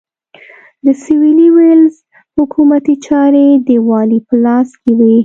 د سوېلي ویلز حکومتي چارې د والي په لاس کې وې.